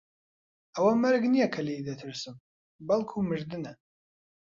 ئەوە مەرگ نییە کە لێی دەترسم، بەڵکوو مردنە.